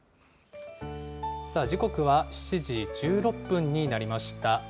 さあ、時刻は７時１６分になりました。